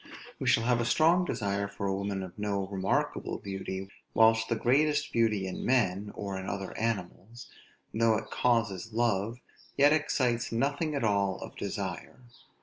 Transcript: We shall have a strong desire for a woman of no remarkable beauty; whilst the greatest beauty in men, or in other animals, though it causes love, yet excites nothing at all of desire.